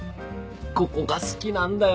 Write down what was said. ここが好きなんだよ。